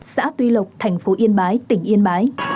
xã tuy lộc thành phố yên bái tỉnh yên bái